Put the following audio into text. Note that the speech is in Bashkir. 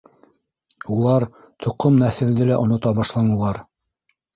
Улар тоҡом нәҫелде лә онота башланылар.